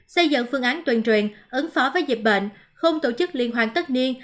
xây dựng phương án tuyên truyền ứng phó với dịp bệnh không tổ chức liên hoàn tất niên